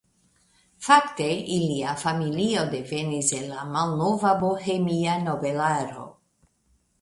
Fakte ilia familio devenis el la malnova bohemia nobelaro.